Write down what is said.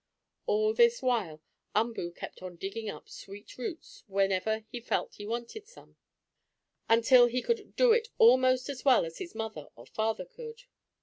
All this while Umboo kept on digging up sweet roots when ever he felt he wanted some, until he could do it almost as well as his mother or father could.